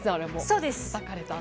そうです。